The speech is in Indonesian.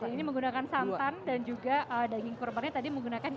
ini menggunakan santan dan juga daging kurbannya tadi menggunakan